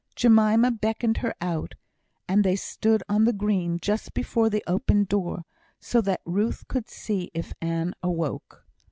Jemima beckoned her out, and they stood on the green just before the open door, so that Ruth could see if Ann awoke.